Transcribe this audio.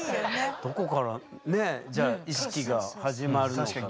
どこからねじゃあ意識が始まるのか。